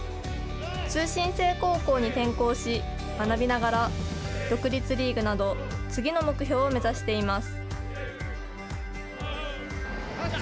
通信制高校に転校し、学びながら、独立リーグなど、次の目標を目指しています。